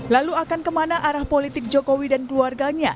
lalu akan kemana arah politik jokowi dan keluarganya